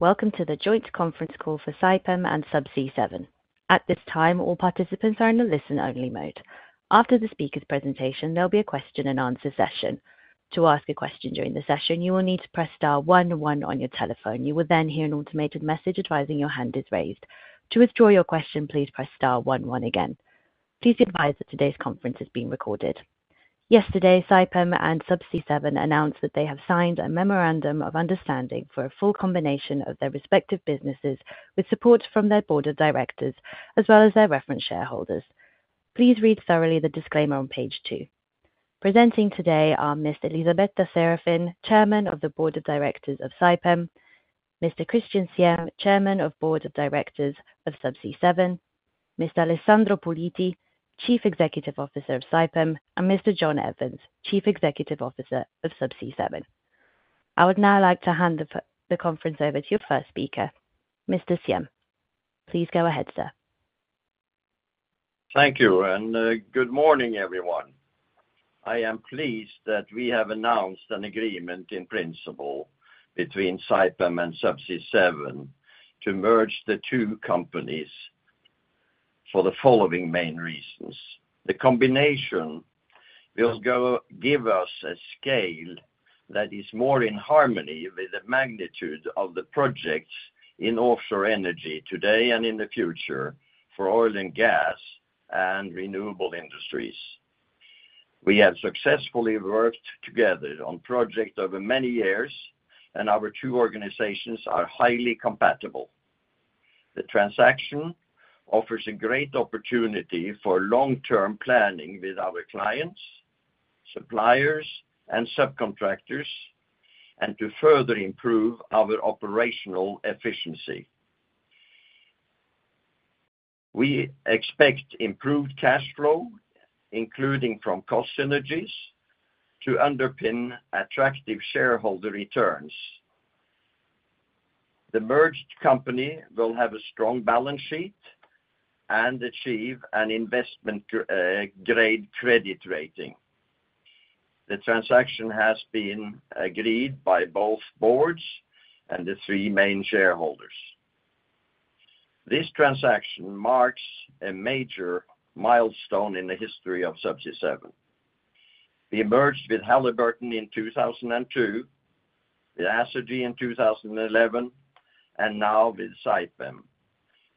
Welcome to the joint conference call for Saipem and Subsea 7. At this time, all participants are in the listen-only mode. After the speaker's presentation, there'll be a question-and-answer session. To ask a question during the session, you will need to press star one one on your telephone. You will then hear an automated message advising your hand is raised. To withdraw your question, please press star one one again. Please be advised that today's conference is being recorded. Yesterday, Saipem and Subsea 7 announced that they have signed a memorandum of understanding for a full combination of their respective businesses with support from their board of directors, as well as their reference shareholders. Please read thoroughly the disclaimer on page two. Presenting today are Miss Elisabetta Serafin, Chairman of the Board of Directors of Saipem, Mr. Kristian Siem, Chairman of the Board of Directors of Subsea 7, Mr. Alessandro Puliti, CEO of Saipem, and Mr. John Evans, CEO of Subsea 7. I would now like to hand the conference over to your first speaker, Mr. Siem. Please go ahead, sir. Thank you, and good morning, everyone. I am pleased that we have announced an agreement in principle between Saipem and Subsea 7 to merge the two companies for the following main reasons. The combination will give us a scale that is more in harmony with the magnitude of the projects in offshore energy today and in the future for oil and gas and renewable industries. We have successfully worked together on a project over many years, and our two organizations are highly compatible. The transaction offers a great opportunity for long-term planning with our clients, suppliers, and subcontractors, and to further improve our operational efficiency. We expect improved cash flow, including from cost synergies, to underpin attractive shareholder returns. The merged company will have a strong balance sheet and achieve an investment-grade credit rating. The transaction has been agreed by both boards and the three main shareholders. This transaction marks a major milestone in the history of Subsea 7. We merged with Halliburton in 2002, with Acergy in 2011, and now with Saipem,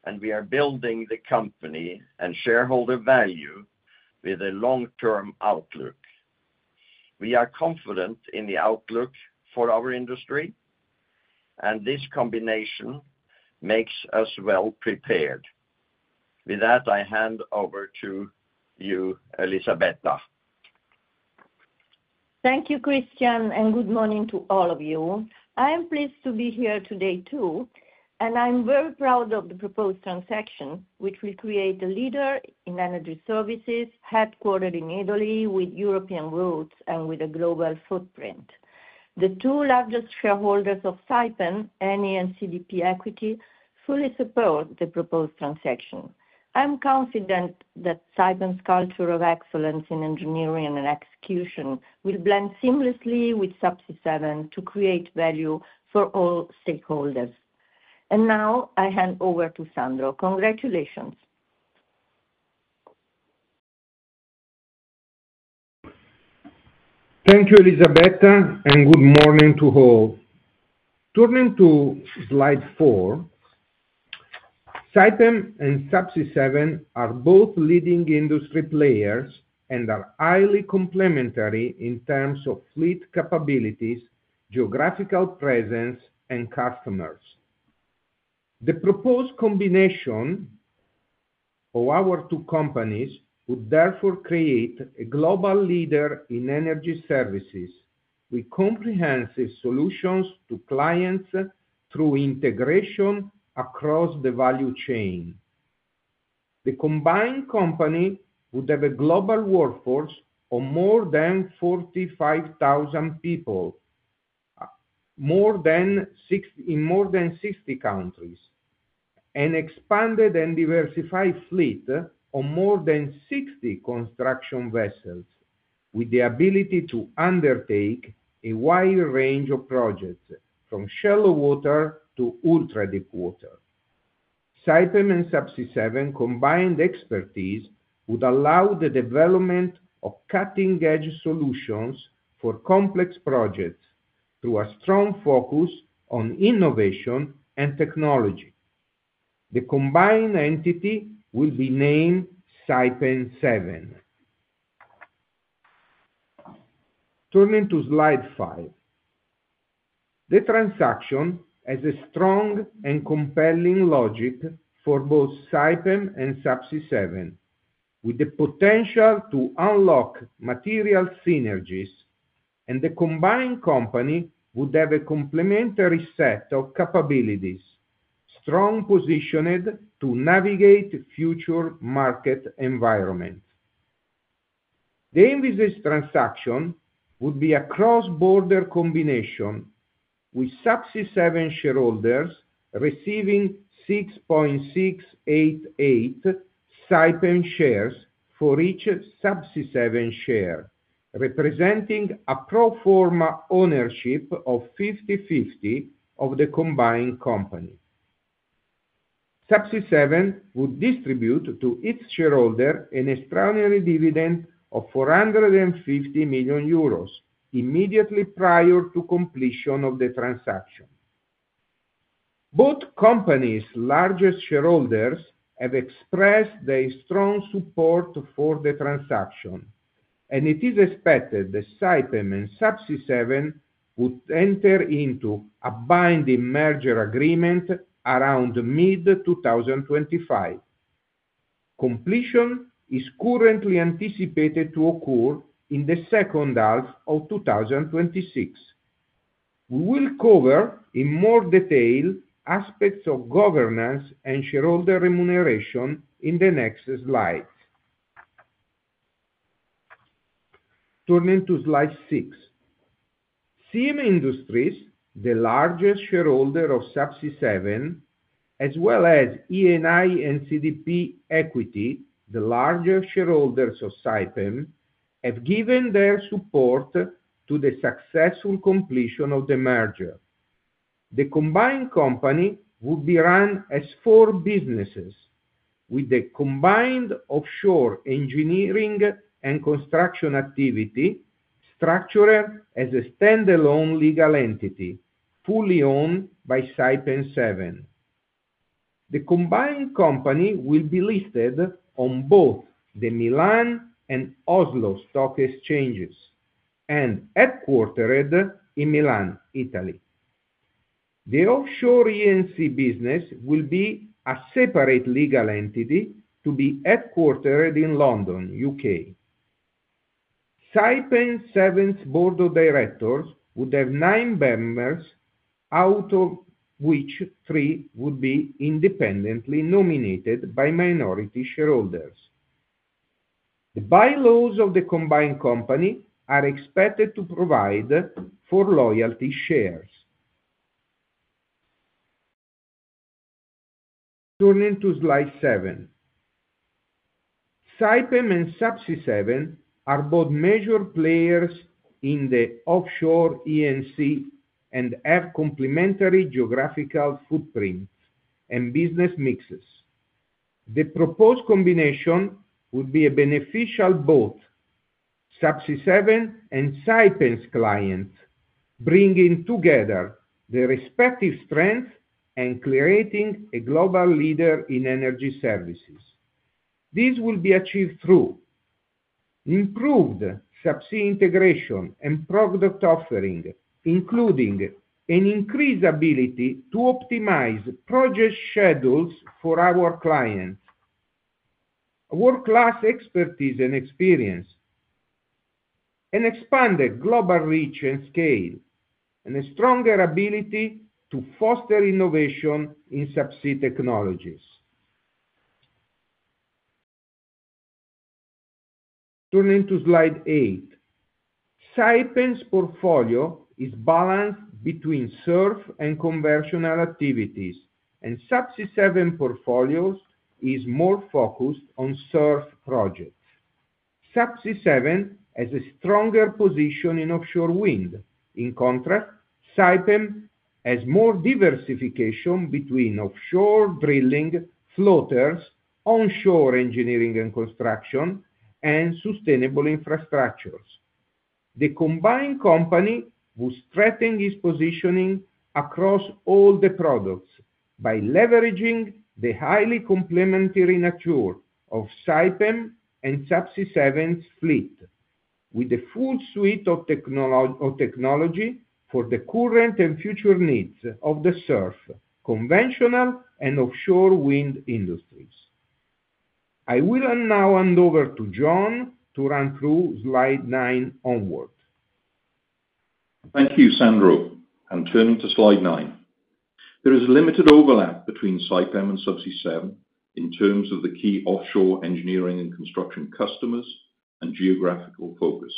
and we are building the company and shareholder value with a long-term outlook. We are confident in the outlook for our industry, and this combination makes us well prepared. With that, I hand over to you, Elisabetta. Thank you, Kristian, and good morning to all of you. I am pleased to be here today too, and I'm very proud of the proposed transaction, which will create a leader in energy services headquartered in Italy, with European roots, and with a global footprint. The two largest shareholders of Saipem, Eni and CDP Equity, fully support the proposed transaction. I'm confident that Saipem's culture of excellence in engineering and execution will blend seamlessly with Subsea 7 to create value for all stakeholders. And now, I hand over to Sandro. Congratulations. Thank you, Elisabetta, and good morning to all. Turning to slide four, Saipem and Subsea 7 are both leading industry players and are highly complementary in terms of fleet capabilities, geographical presence, and customers. The proposed combination of our two companies would therefore create a global leader in energy services with comprehensive solutions to clients through integration across the value chain. The combined company would have a global workforce of more than 45,000 people in more than 60 countries, an expanded and diversified fleet of more than 60 construction vessels, with the ability to undertake a wide range of projects from shallow water to ultra-deep water. Saipem and Subsea 7's combined expertise would allow the development of cutting-edge solutions for complex projects through a strong focus on innovation and technology. The combined entity will be named Saipem7. Turning to slide five, the transaction has a strong and compelling logic for both Saipem and Subsea 7, with the potential to unlock material synergies, and the combined company would have a complementary set of capabilities, strongly positioned to navigate future market environments. The envisaged transaction would be a cross-border combination, with Subsea 7 shareholders receiving 6.688 Saipem shares for each Subsea 7 share, representing a pro forma ownership of 50/50 of the combined company. Subsea 7 would distribute to its shareholder an extraordinary dividend of 450 million euros immediately prior to completion of the transaction. Both companies' largest shareholders have expressed their strong support for the transaction, and it is expected that Saipem and Subsea 7 would enter into a binding merger agreement around mid-2025. Completion is currently anticipated to occur in the second half of 2026. We will cover in more detail aspects of governance and shareholder remuneration in the next slides. Turning to slide six, Siem Industries, the largest shareholder of Subsea 7, as well as Eni and CDP Equity, the largest shareholders of Saipem, have given their support to the successful completion of the merger. The combined company would be run as four businesses, with the combined offshore engineering and construction activity structured as a standalone legal entity fully owned by Saipem7. The combined company will be listed on both the Milan and Oslo Stock Exchanges and headquartered in Milan, Italy. The offshore E&C business will be a separate legal entity to be headquartered in London, UK. Saipem7's board of directors would have nine members, out of which three would be independently nominated by minority shareholders. The bylaws of the combined company are expected to provide for loyalty shares. Turning to slide seven, Saipem and Subsea 7 are both major players in the offshore E&C and have complementary geographical footprints and business mixes. The proposed combination would be beneficial both to Subsea 7 and Saipem's clients, bringing together their respective strengths and creating a global leader in energy services. This will be achieved through improved subsea integration and product offering, including an increased ability to optimize project schedules for our clients, world-class expertise and experience, an expanded global reach and scale, and a stronger ability to foster innovation in subsea technologies. Turning to slide eight, Saipem's portfolio is balanced between SURF and conventional activities, and Subsea 7's portfolio is more focused on SURF projects. Subsea 7 has a stronger position in offshore wind. In contrast, Saipem has more diversification between offshore drilling, floaters, onshore engineering and construction, and sustainable infrastructures. The combined company would strengthen its positioning across all the products by leveraging the highly complementary nature of Saipem and Subsea 7's fleet, with a full suite of technology for the current and future needs of the SURF, conventional, and offshore wind industries. I will now hand over to John to run through slide nine onward. Thank you, Sandro. I'm turning to slide nine. There is limited overlap between Saipem and Subsea 7 in terms of the key offshore engineering and construction customers and geographical focus.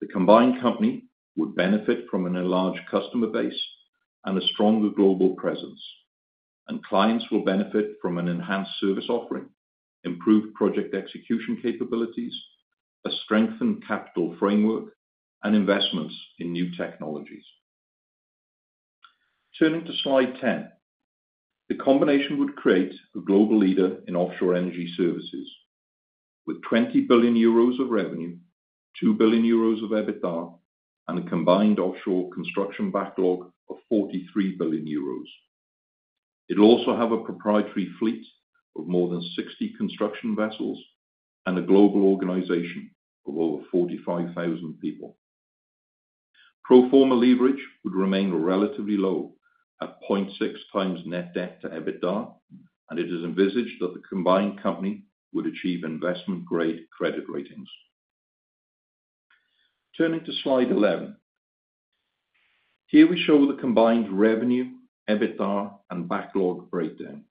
The combined company would benefit from an enlarged customer base and a stronger global presence, and clients will benefit from an enhanced service offering, improved project execution capabilities, a strengthened capital framework, and investments in new technologies. Turning to slide ten, the combination would create a global leader in offshore energy services with 20 billion euros of revenue, 2 billion euros of EBITDA, and a combined offshore construction backlog of 43 billion euros. It'll also have a proprietary fleet of more than 60 construction vessels and a global organization of over 45,000 people. Pro forma leverage would remain relatively low at 0.6 times net debt to EBITDA, and it is envisaged that the combined company would achieve investment-grade credit ratings. Turning to slide 11, here we show the combined revenue, EBITDA, and backlog breakdown.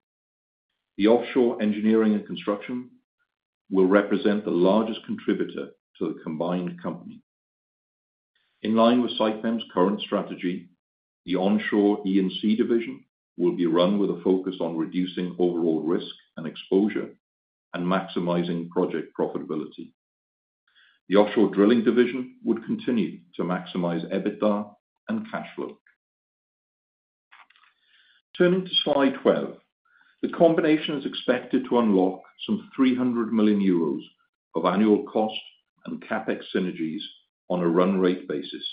The offshore engineering and construction will represent the largest contributor to the combined company. In line with Saipem's current strategy, the onshore E&C division will be run with a focus on reducing overall risk and exposure and maximizing project profitability. The offshore drilling division would continue to maximize EBITDA and cash flow. Turning to slide 12, the combination is expected to unlock some 300 million euros of annual cost and CapEx synergies on a run rate basis.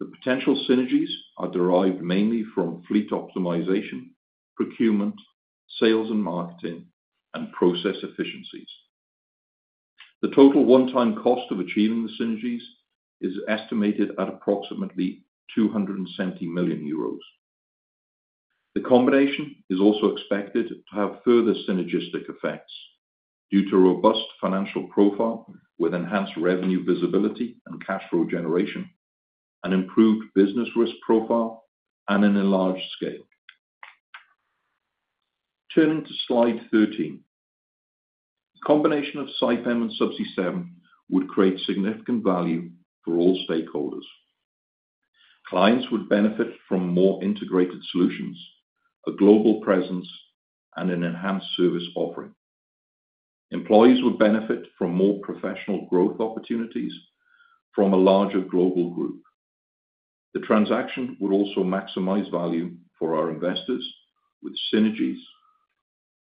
The potential synergies are derived mainly from fleet optimization, procurement, sales and marketing, and process efficiencies. The total one-time cost of achieving the synergies is estimated at approximately 270 million euros. The combination is also expected to have further synergistic effects due to robust financial profile with enhanced revenue visibility and cash flow generation, an improved business risk profile, and an enlarged scale. Turning to slide 13, the combination of Saipem and Subsea 7 would create significant value for all stakeholders. Clients would benefit from more integrated solutions, a global presence, and an enhanced service offering. Employees would benefit from more professional growth opportunities from a larger global group. The transaction would also maximize value for our investors with synergies,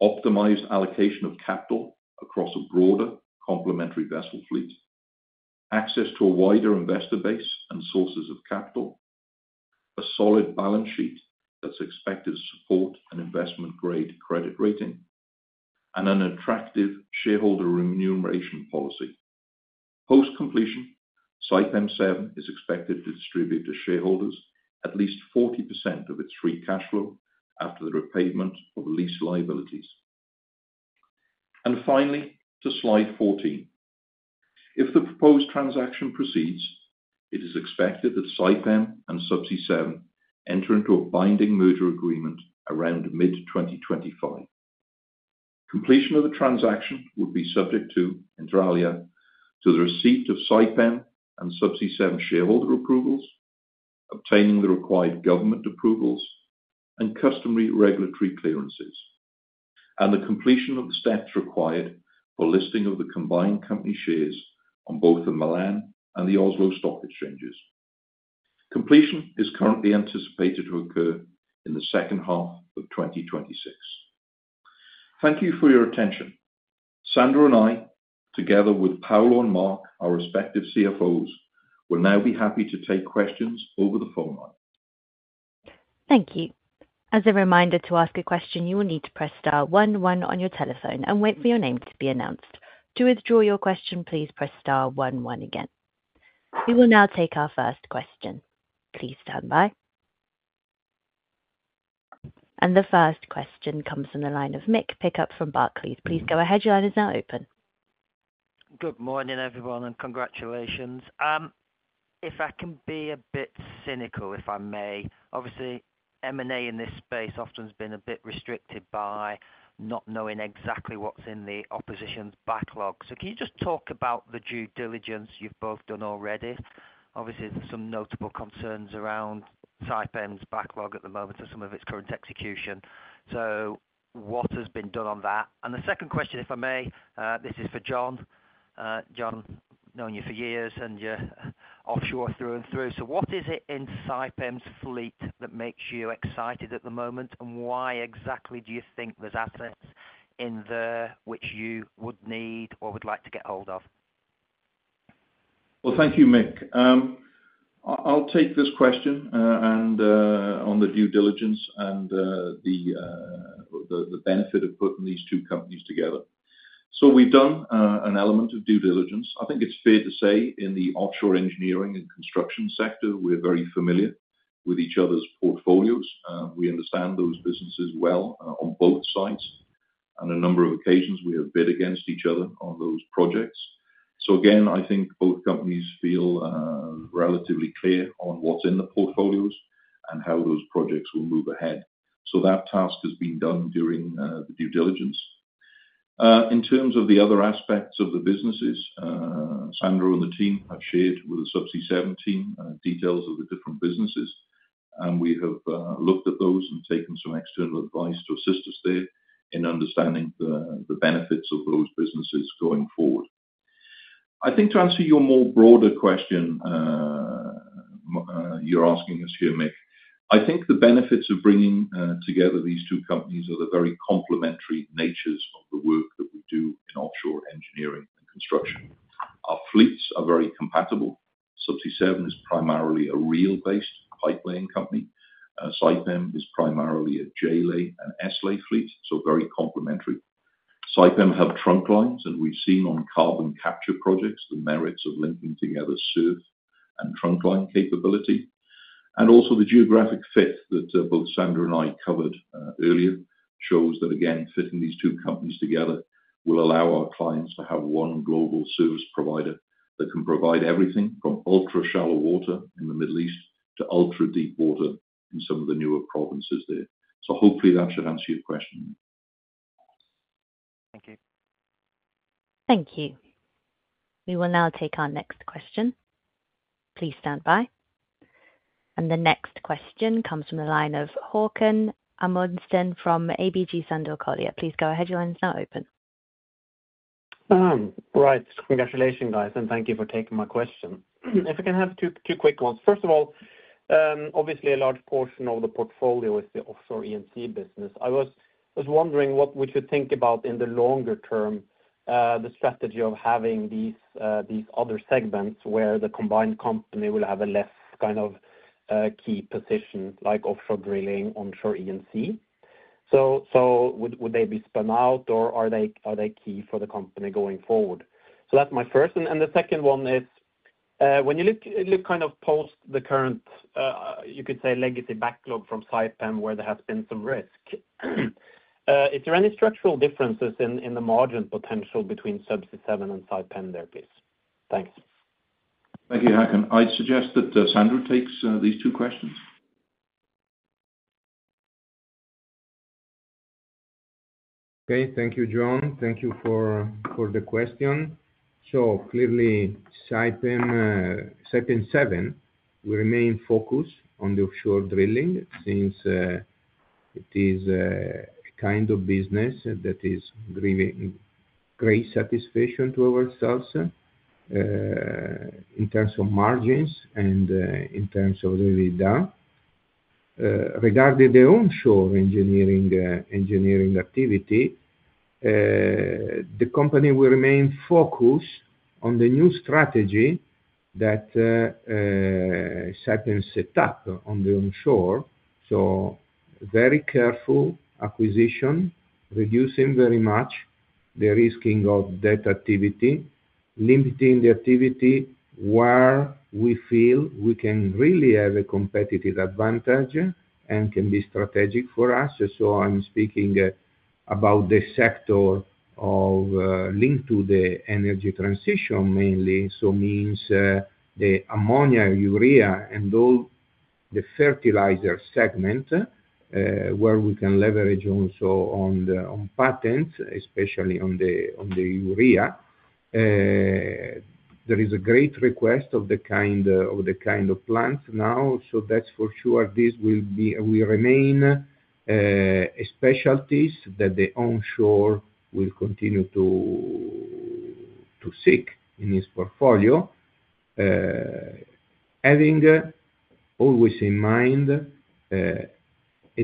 optimized allocation of capital across a broader complementary vessel fleet, access to a wider investor base and sources of capital, a solid balance sheet that's expected to support an investment-grade credit rating, and an attractive shareholder remuneration policy. Post-completion, Saipem7 is expected to distribute to shareholders at least 40% of its free cash flow after the repayment of lease liabilities. And finally, to slide fourteen, if the proposed transaction proceeds, it is expected that Saipem and Subsea 7 enter into a binding merger agreement around mid-2025. Completion of the transaction would be subject to the receipt of Saipem and Subsea 7 shareholder approvals, obtaining the required government approvals and customary regulatory clearances, and the completion of the steps required for listing of the combined company shares on both the Milan and the Oslo Stock Exchanges. Completion is currently anticipated to occur in the second half of 2026. Thank you for your attention. Sandro and I, together with Paolo and Mark, our respective CFOs, will now be happy to take questions over the phone line. Thank you. As a reminder to ask a question, you will need to press star one one on your telephone and wait for your name to be announced. To withdraw your question, please press star one one again. We will now take our first question. Please stand by. And the first question comes from the line of Mick Pickup from Barclays. Please go ahead. Your line is now open. Good morning, everyone, and congratulations. If I can be a bit cynical, if I may, obviously, M&A in this space often has been a bit restricted by not knowing exactly what's in the opposition's backlog. So can you just talk about the due diligence you've both done already? Obviously, there's some notable concerns around Saipem's backlog at the moment and some of its current execution. So what has been done on that? And the second question, if I may, this is for John. John, I've known you for years and you're offshore through and through. So what is it in Saipem's fleet that makes you excited at the moment, and why exactly do you think there's assets in there which you would need or would like to get hold of? Well, thank you, Mick. I'll take this question on the due diligence and the benefit of putting these two companies together. So we've done an element of due diligence. I think it's fair to say in the offshore engineering and construction sector, we're very familiar with each other's portfolios. We understand those businesses well on both sides. On a number of occasions, we have bid against each other on those projects. So again, I think both companies feel relatively clear on what's in the portfolios and how those projects will move ahead. So that task has been done during the due diligence. In terms of the other aspects of the businesses, Sandro and the team have shared with the Subsea 7 team details of the different businesses, and we have looked at those and taken some external advice to assist us there in understanding the benefits of those businesses going forward. I think to answer your more broader question you're asking us here, Mick, I think the benefits of bringing together these two companies are the very complementary natures of the work that we do in offshore engineering and construction. Our fleets are very compatible. Subsea 7 is primarily a reel-based pipeline company. Saipem is primarily a J-Lay and S-Lay fleet, so very complementary. Saipem have trunk lines, and we've seen on carbon capture projects the merits of linking together SURF and trunk line capability. And also the geographic fit that both Sandro and I covered earlier shows that, again, fitting these two companies together will allow our clients to have one global service provider that can provide everything from ultra-shallow water in the Middle East to ultra-deep water in some of the newer provinces there. So hopefully that should answer your question. Thank you. Thank you. We will now take our next question. Please stand by. And the next question comes from the line of Haakon Amundsen from ABG Sundal Collier. Please go ahead. Your line is now open. Right. Congratulations, guys, and thank you for taking my question. If I can have two quick ones. First of all, obviously, a large portion of the portfolio is the offshore E&C business. I was wondering what we should think about in the longer term, the strategy of having these other segments where the combined company will have a less kind of key position like offshore drilling, onshore E&C. So would they be spun out, or are they key for the company going forward? So that's my first. And the second one is, when you look kind of post the current, you could say, legacy backlog from Saipem where there has been some risk, is there any structural differences in the margin potential between Subsea 7 and Saipem there, please? Thanks. Thank you, Haakon. I'd suggest that Sandro takes these two questions. Okay. Thank you, John. Thank you for the question. So clearly, Saipem7 will remain focused on the offshore drilling since it is a kind of business that is bringing great satisfaction to ourselves in terms of margins and in terms of EBITDA. Regarding their onshore engineering activity, the company will remain focused on the new strategy that Saipem set up on the onshore. So very careful acquisition, reducing very much the risking of that activity, limiting the activity where we feel we can really have a competitive advantage and can be strategic for us. So I'm speaking about the sector linked to the energy transition mainly, so means the ammonia, urea, and all the fertilizer segment where we can leverage also on patents, especially on the urea. There is a great request of the kind of plants now, so that's for sure this will remain specialties that the onshore will continue to seek in its portfolio, having always in mind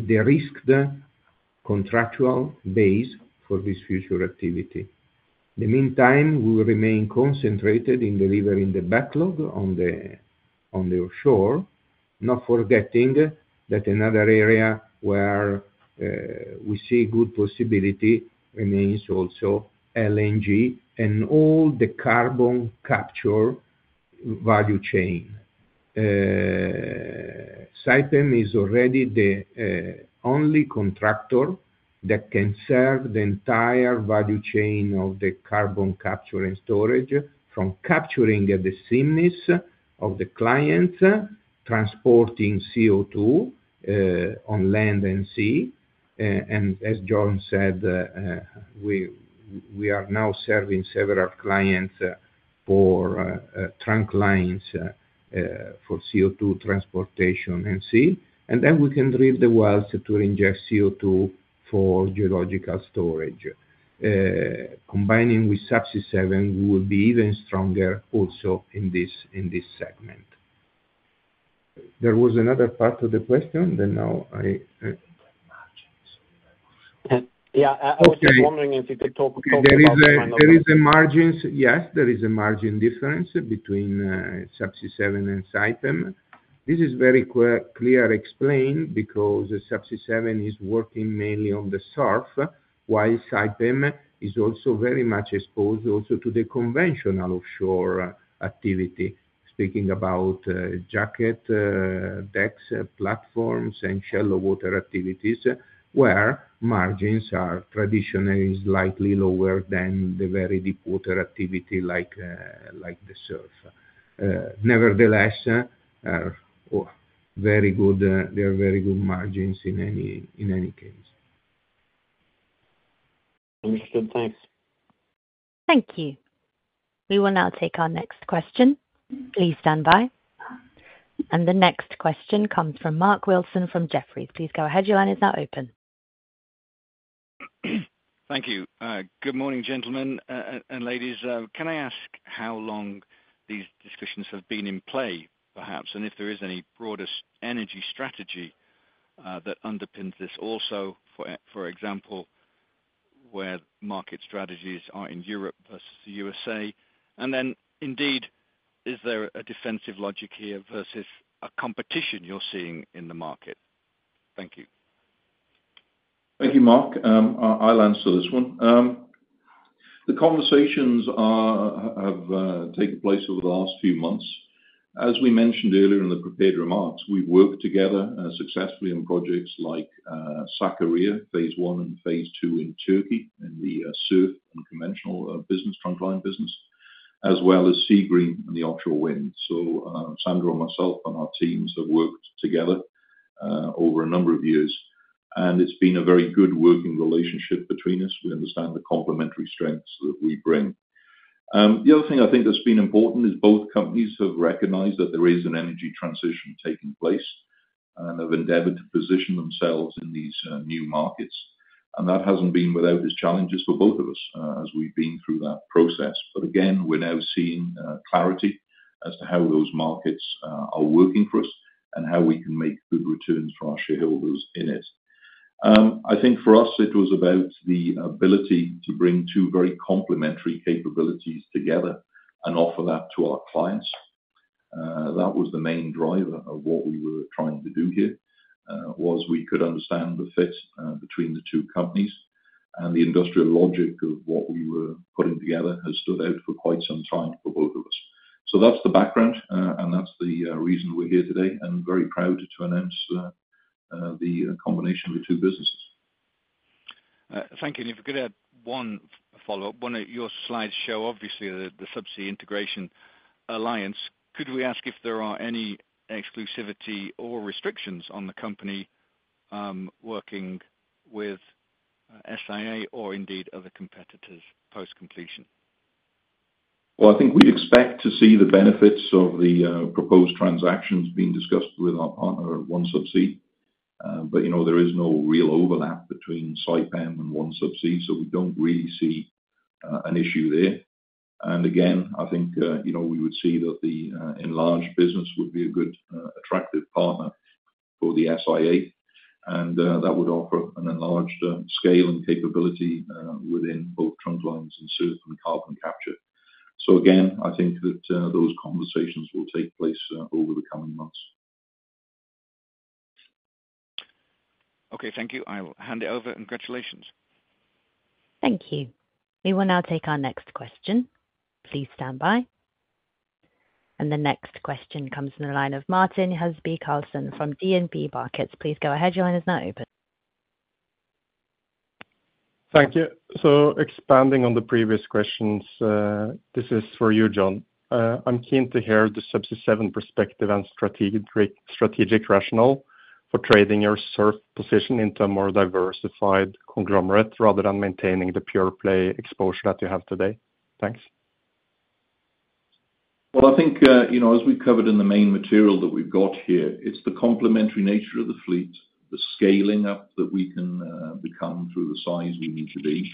the risked contractual base for this future activity. In the meantime, we will remain concentrated in delivering the backlog on the offshore, not forgetting that another area where we see good possibility remains also LNG and all the carbon capture value chain. Saipem is already the only contractor that can serve the entire value chain of the carbon capture and storage from capturing at the premises of the clients, transporting CO2 on land and sea. And as John said, we are now serving several clients for trunk lines for CO2 transportation on sea, and then we can drill the wells to inject CO2 for geological storage. Combining with Subsea 7 will be even stronger also in this segment. There was another part of the question that now I. Yeah. I was wondering if you could talk about that? There is a margin. Yes, there is a margin difference between Subsea 7 and Saipem. This is very clear explained because Subsea 7 is working mainly on the surf, while Saipem is also very much exposed also to the conventional offshore activity, speaking about jacket decks, platforms, and shallow water activities where margins are traditionally slightly lower than the very deep water activity like the surf. Nevertheless, they are very good margins in any case. Understood. Thanks. Thank you. We will now take our next question. Please stand by, and the next question comes from Mark Wilson from Jefferies. Please go ahead. Your line is now open. Thank you. Good morning, gentlemen and ladies. Can I ask how long these discussions have been in play, perhaps, and if there is any broader energy strategy that underpins this also, for example, where market strategies are in Europe versus the USA? And then, indeed, is there a defensive logic here versus a competition you're seeing in the market? Thank you. Thank you, Mark. I'll answer this one. The conversations have taken place over the last few months. As we mentioned earlier in the prepared remarks, we've worked together successfully on projects like Sakarya, phase one and phase two in Turkey in the SURF and conventional business, trunk line business, as well as Seagreen and the offshore wind. So Sandro and myself and our teams have worked together over a number of years, and it's been a very good working relationship between us. We understand the complementary strengths that we bring. The other thing I think that's been important is both companies have recognized that there is an energy transition taking place and have endeavored to position themselves in these new markets, and that hasn't been without its challenges for both of us as we've been through that process. But again, we're now seeing clarity as to how those markets are working for us and how we can make good returns for our shareholders in it. I think for us, it was about the ability to bring two very complementary capabilities together and offer that to our clients. That was the main driver of what we were trying to do here, was we could understand the fit between the two companies, and the industrial logic of what we were putting together has stood out for quite some time for both of us. So that's the background, and that's the reason we're here today, and very proud to announce the combination of the two businesses. Thank you, and if I could add one follow-up. Your slides show obviously the Subsea Integration Alliance. Could we ask if there are any exclusivity or restrictions on the company working with SIA or indeed other competitors post-completion? I think we expect to see the benefits of the proposed transactions being discussed with our partner, OneSubsea, but there is no real overlap between Saipem and OneSubsea, so we don't really see an issue there. Again, I think we would see that the enlarged business would be a good attractive partner for the SIA, and that would offer an enlarged scale and capability within both trunk lines and surf and carbon capture. Again, I think that those conversations will take place over the coming months. Okay. Thank you. I'll hand it over, and congratulations. Thank you. We will now take our next question. Please stand by. And the next question comes from the line of Martin Huseby Karlsen from DNB Markets. Please go ahead. Your line is now open. Thank you. So expanding on the previous questions, this is for you, John. I'm keen to hear the Subsea 7 perspective and strategic rationale for trading your SURF position into a more diversified conglomerate rather than maintaining the pure-play exposure that you have today. Thanks. I think as we covered in the main material that we've got here, it's the complementary nature of the fleet, the scaling up that we can become through the size we need to be.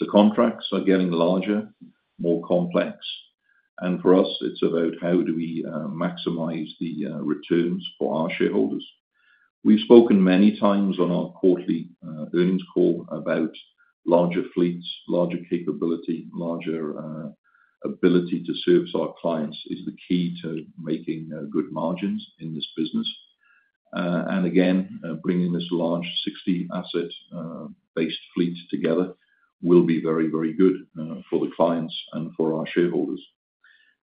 The contracts are getting larger, more complex, and for us, it's about how do we maximize the returns for our shareholders. We've spoken many times on our quarterly earnings call about larger fleets, larger capability, and larger ability to service our clients is the key to making good margins in this business. Again, bringing this large 60-asset-based fleet together will be very, very good for the clients and for our shareholders.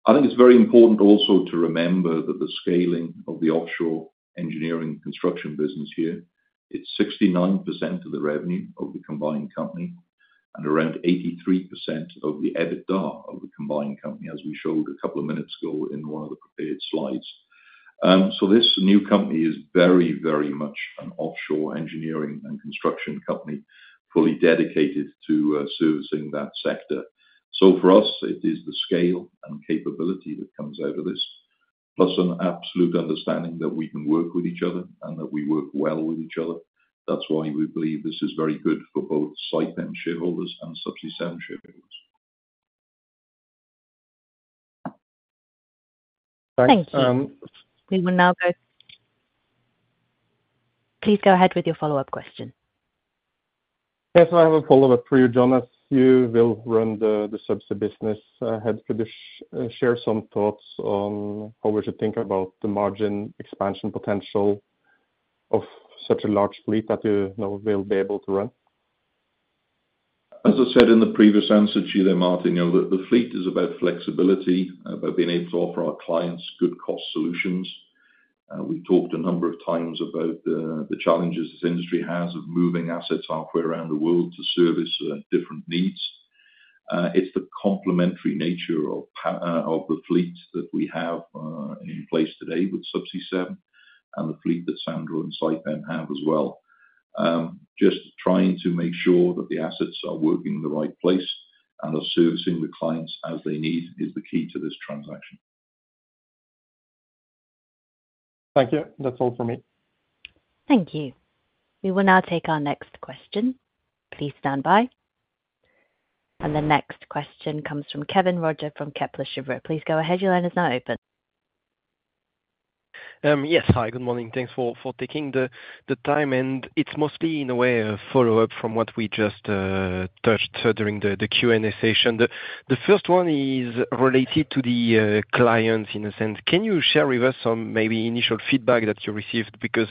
I think it's very important also to remember that the scaling of the offshore engineering construction business here, it's 69% of the revenue of the combined company and around 83% of the EBITDA of the combined company, as we showed a couple of minutes ago in one of the prepared slides. So this new company is very, very much an offshore engineering and construction company fully dedicated to servicing that sector. So for us, it is the scale and capability that comes out of this, plus an absolute understanding that we can work with each other and that we work well with each other. That's why we believe this is very good for both Saipem shareholders and Subsea 7 shareholders. Thank you. We will now go. Please go ahead with your follow-up question. Yes. I have a follow-up for you, John. As you will run the Subsea business, would you share some thoughts on how we should think about the margin expansion potential of such a large fleet that you know we'll be able to run? As I said in the previous answer to you there, Martin, the fleet is about flexibility, about being able to offer our clients good cost solutions. We've talked a number of times about the challenges this industry has of moving assets halfway around the world to service different needs. It's the complementary nature of the fleet that we have in place today with Subsea 7 and the fleet that Sandro and Saipem have as well. Just trying to make sure that the assets are working in the right place and are servicing the clients as they need is the key to this transaction. Thank you. That's all for me. Thank you. We will now take our next question. Please stand by. And the next question comes from Kévin Roger from Kepler Cheuvreux. Please go ahead. Your line is now open. Yes. Hi. Good morning. Thanks for taking the time. And it's mostly in a way a follow-up from what we just touched during the Q&A session. The first one is related to the clients in a sense. Can you share with us some maybe initial feedback that you received? Because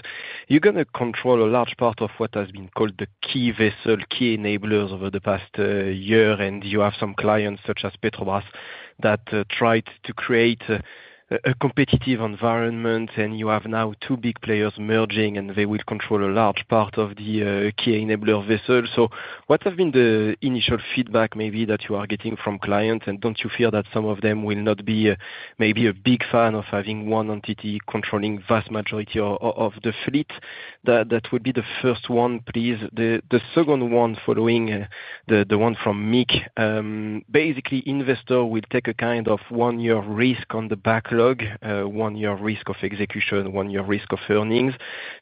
you're going to control a large part of what has been called the key vessel, key enablers over the past year, and you have some clients such as Petrobras that tried to create a competitive environment, and you have now two big players merging, and they will control a large part of the key enabler vessel. So what has been the initial feedback maybe that you are getting from clients? And don't you fear that some of them will not be maybe a big fan of having one entity controlling the vast majority of the fleet? That would be the first one, please. The second one following the one from Mick, basically, investor will take a kind of one-year risk on the backlog, one-year risk of execution, one-year risk of earnings.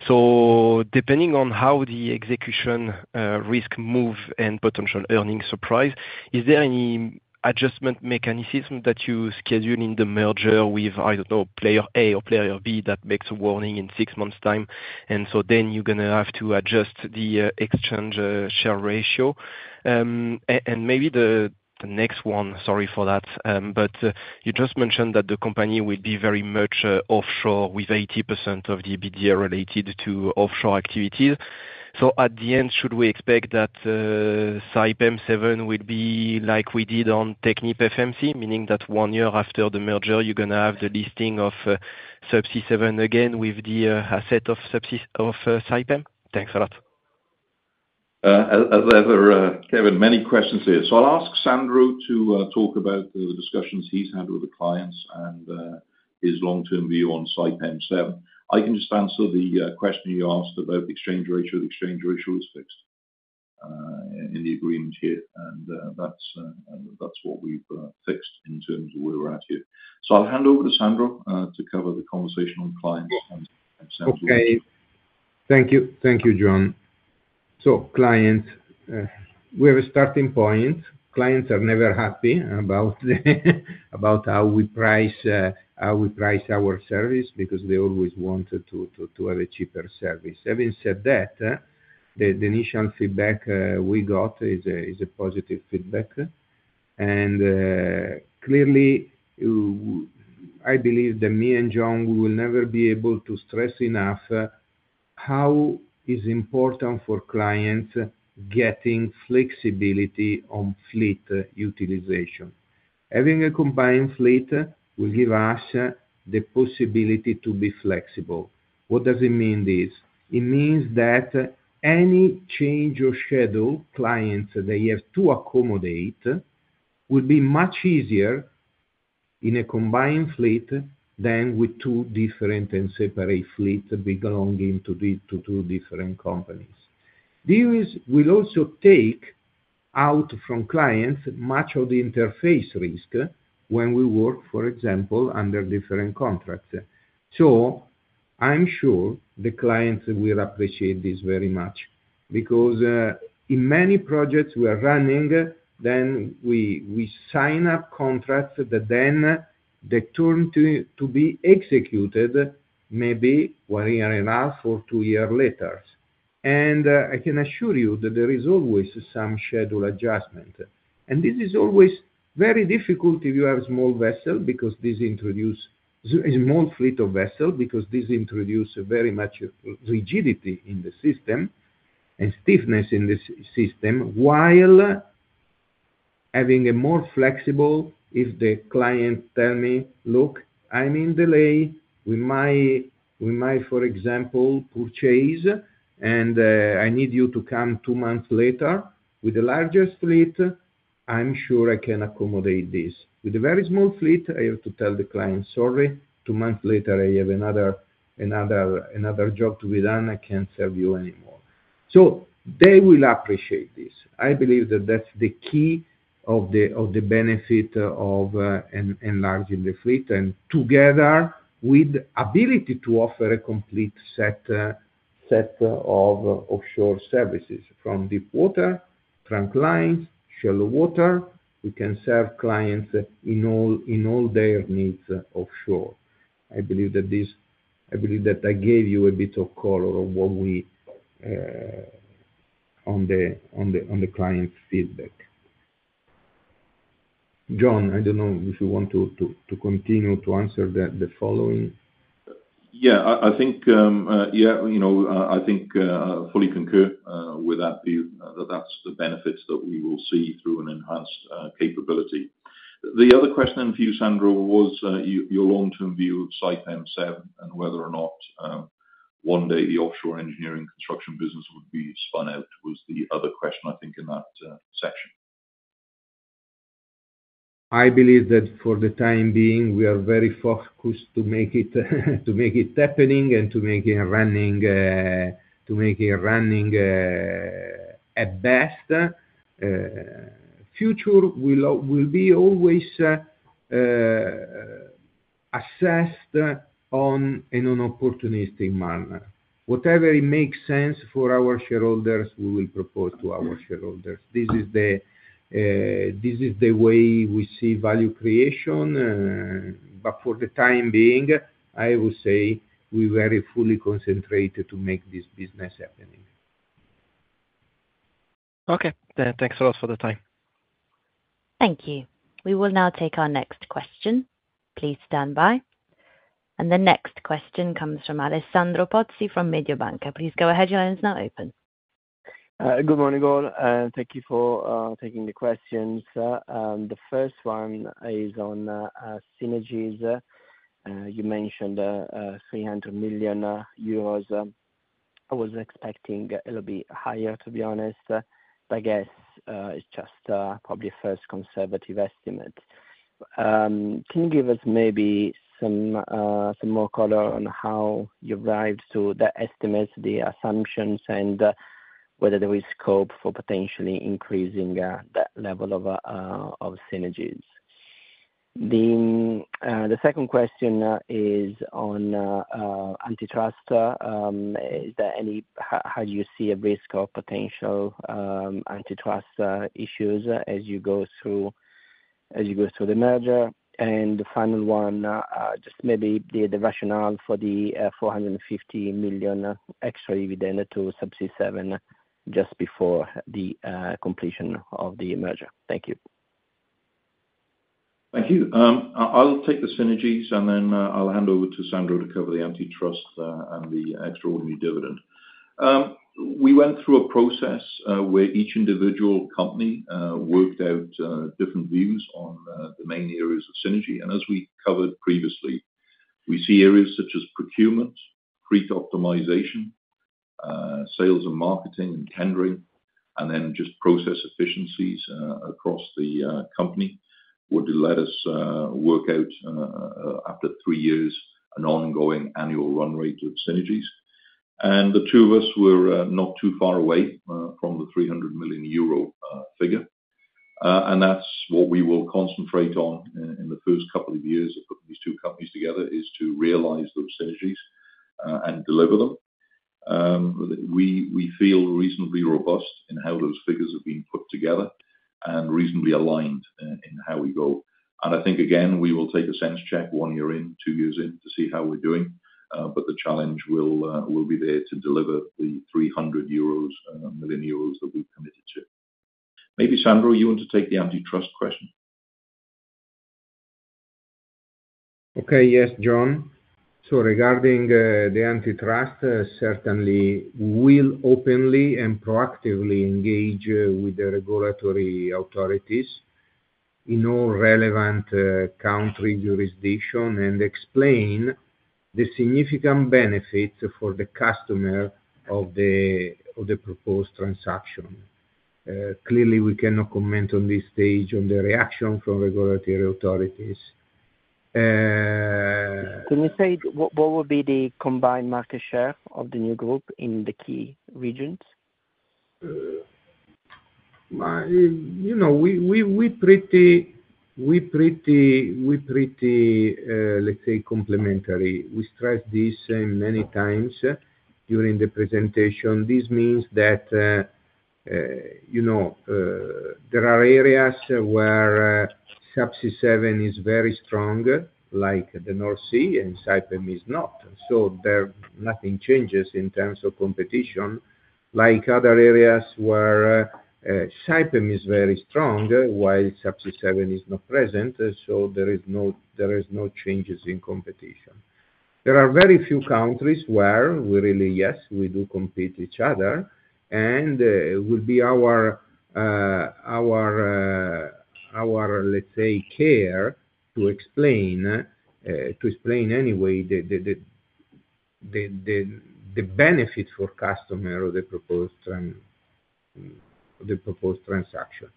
So depending on how the execution risk moves and potential earnings surprise, is there any adjustment mechanism that you schedule in the merger with, I don't know, player A or player B that makes a warning in six months' time? And so then you're going to have to adjust the exchange share ratio. And maybe the next one, sorry for that, but you just mentioned that the company will be very much offshore with 80% of the EBITDA related to offshore activities. So at the end, should we expect that Saipem7 will be like we did on TechnipFMC, meaning that one year after the merger, you're going to have the listing of Subsea 7 again with the asset of Saipem? Thanks a lot. As ever, Kévin, many questions here. So I'll ask Sandro to talk about the discussions he's had with the clients and his long-term view on Saipem7. I can just answer the question you asked about the exchange ratio. The exchange ratio is fixed in the agreement here, and that's what we've fixed in terms of where we're at here. So I'll hand over to Sandro to cover the conversation on clients and Saipem7. Okay. Thank you. Thank you, John. So clients, we have a starting point. Clients are never happy about how we price our service because they always wanted to have a cheaper service. Having said that, the initial feedback we got is a positive feedback. And clearly, I believe that me and John, we will never be able to stress enough how it's important for clients getting flexibility on fleet utilization. Having a combined fleet will give us the possibility to be flexible. What does it mean? It means that any change or schedule clients that you have to accommodate will be much easier in a combined fleet than with two different and separate fleets belonging to two different companies. This will also take out from clients much of the interface risk when we work, for example, under different contracts. I'm sure the clients will appreciate this very much because in many projects we are running, then we sign up contracts that then they turn to be executed maybe one year in half or two years later. I can assure you that there is always some schedule adjustment. This is always very difficult if you have a small vessel because this introduces a small fleet of vessels because this introduces very much rigidity in the system and stiffness in the system while having a more flexible if the client tells me, "Look, I'm in delay. We might, for example, purchase, and I need you to come two months later." With the larger fleet, I'm sure I can accommodate this. With the very small fleet, I have to tell the client, "Sorry. Two months later, I have another job to be done. I can't serve you anymore." So they will appreciate this. I believe that that's the key of the benefit of enlarging the fleet and together with the ability to offer a complete set of offshore services from deep water, trunk lines, shallow water. We can serve clients in all their needs offshore. I believe that I gave you a bit of color on the client feedback. John, I don't know if you want to continue to answer the following. Yeah. I think, yeah, I think I fully concur with that view that that's the benefits that we will see through an enhanced capability. The other question for you, Sandro, was your long-term view of Saipem7 and whether or not one day the offshore engineering construction business would be spun out was the other question, I think, in that section. I believe that for the time being, we are very focused to make it happening and to make it running at best. Future will be always assessed in an opportunistic manner. Whatever makes sense for our shareholders, we will propose to our shareholders. This is the way we see value creation. But for the time being, I would say we're very fully concentrated to make this business happening. Okay. Thanks a lot for the time. Thank you. We will now take our next question. Please stand by. And the next question comes from Alessandro Pozzi from Mediobanca. Please go ahead. Your line is now open. Good morning, all. Thank you for taking the questions. The first one is on synergies. You mentioned 300 million euros. I was expecting a little bit higher, to be honest, but I guess it's just probably a first conservative estimate. Can you give us maybe some more color on how you arrived to the estimates, the assumptions, and whether there is scope for potentially increasing that level of synergies? The second question is on antitrust. How do you see a risk of potential antitrust issues as you go through the merger? And the final one, just maybe the rationale for the 450 million extra dividend to Subsea 7 just before the completion of the merger. Thank you. Thank you. I'll take the synergies, and then I'll hand over to Sandro to cover the antitrust and the extraordinary dividend. We went through a process where each individual company worked out different views on the main areas of synergy. As we covered previously, we see areas such as procurement, fleet optimization, sales and marketing, and tendering, and then just process efficiencies across the company would let us work out, after three years, an ongoing annual run rate of synergies. The two of us were not too far away from the 300 million euro figure. That's what we will concentrate on in the first couple of years of putting these two companies together is to realize those synergies and deliver them. We feel reasonably robust in how those figures have been put together and reasonably aligned in how we go. I think, again, we will take a sense check one year in, two years in to see how we're doing. The challenge will be there to deliver the 300 million euros that we've committed to. Maybe Sandro, you want to take the antitrust question? Okay. Yes, John. So regarding the antitrust, certainly we will openly and proactively engage with the regulatory authorities in all relevant country jurisdiction and explain the significant benefits for the customer of the proposed transaction. Clearly, we cannot comment on this stage on the reaction from regulatory authorities. Can you say what would be the combined market share of the new group in the key regions? We're pretty, let's say, complementary. We stressed this many times during the presentation. This means that there are areas where Subsea 7 is very strong, like the North Sea, and Saipem is not, so nothing changes in terms of competition, like other areas where Saipem is very strong while Subsea 7 is not present, so there are no changes in competition. There are very few countries where we really, yes, we do compete with each other, and it will be our, let's say, care to explain anyway the benefit for customer of the proposed transaction,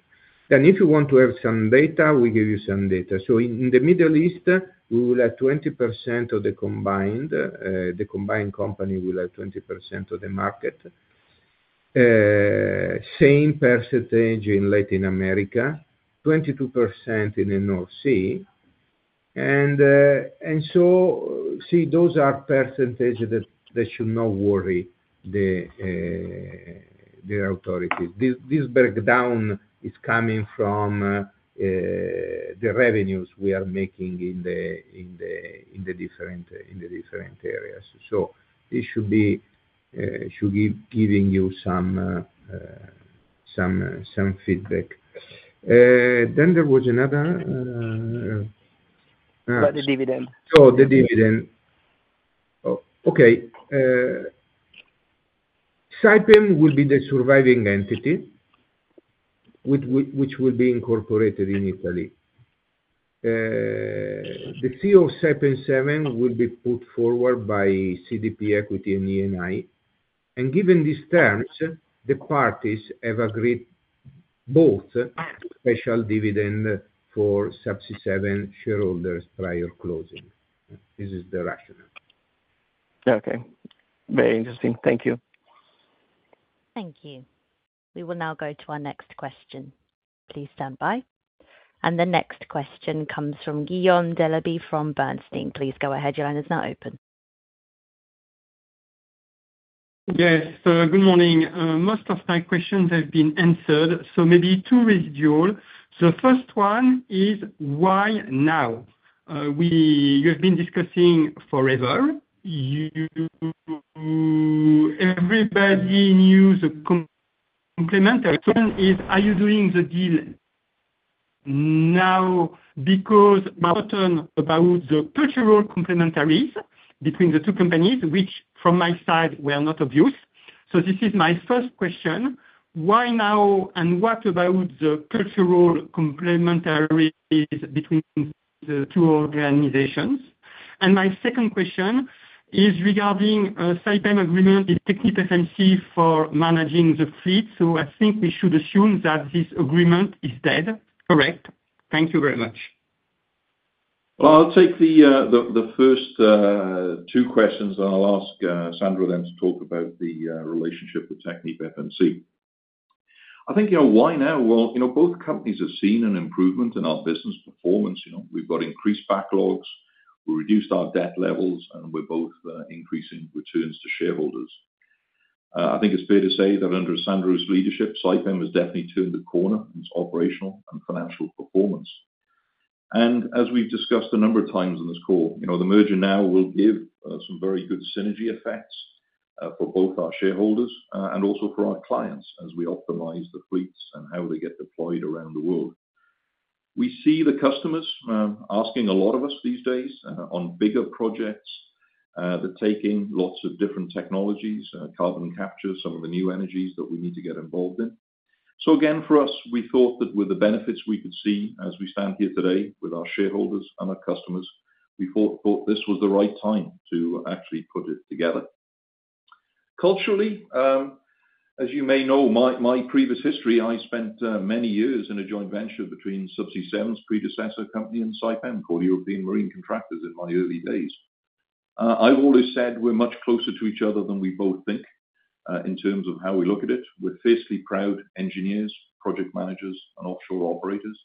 and if you want to have some data, we give you some data, so in the Middle East, we will have 20% of the combined company will have 20% of the market. Same percentage in Latin America, 22% in the North Sea. And so, see, those are percentages that should not worry the authorities. This breakdown is coming from the revenues we are making in the different areas. So this should be giving you some feedback. Then there was another. About the dividend. Oh, the dividend. Okay. Saipem will be the surviving entity, which will be incorporated in Italy. The CEO of Saipem7 will be put forward by CDP Equity and Eni. And given these terms, the parties have agreed to a special dividend for Subsea 7 shareholders prior to closing. This is the rationale. Okay. Very interesting. Thank you. Thank you. We will now go to our next question. Please stand by, and the next question comes from Guillaume Delaby from Bernstein. Please go ahead. Your line is now open. Yes. Good morning. Most of my questions have been answered. So maybe two residual. The first one is why now? You have been discussing forever. Everybody knew the complementary option is, are you doing the deal now? Because about the cultural complementarities between the two companies, which from my side were not of use. So this is my first question. Why now? And what about the cultural complementarities between the two organizations? And my second question is regarding Saipem agreement with TechnipFMC for managing the fleet. So I think we should assume that this agreement is dead. Correct. Thank you very much. I'll take the first two questions, and I'll ask Sandro then to talk about the relationship with TechnipFMC. I think why now? Both companies have seen an improvement in our business performance. We've got increased backlogs. We reduced our debt levels, and we're both increasing returns to shareholders. I think it's fair to say that under Sandro's leadership, Saipem has definitely turned the corner in its operational and financial performance. And as we've discussed a number of times on this call, the merger now will give some very good synergy effects for both our shareholders and also for our clients as we optimize the fleets and how they get deployed around the world. We see the customers asking a lot of us these days on bigger projects that take in lots of different technologies, carbon capture, some of the new energies that we need to get involved in. So again, for us, we thought that with the benefits we could see as we stand here today with our shareholders and our customers, we thought this was the right time to actually put it together. Culturally, as you may know my previous history, I spent many years in a joint venture between Subsea 7's predecessor company and Saipem called European Marine Contractors in my early days. I've always said we're much closer to each other than we both think in terms of how we look at it. We're fiercely proud engineers, project managers, and offshore operators.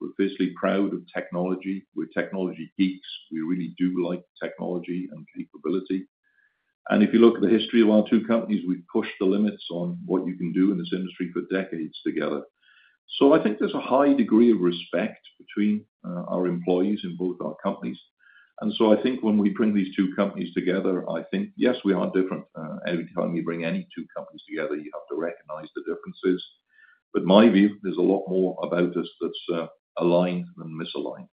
We're fiercely proud of technology. We're technology geeks. We really do like technology and capability. And if you look at the history of our two companies, we've pushed the limits on what you can do in this industry for decades together. So I think there's a high degree of respect between our employees in both our companies. And so I think when we bring these two companies together, I think, yes, we are different. Every time you bring any two companies together, you have to recognize the differences. But my view, there's a lot more about us that's aligned than misaligned.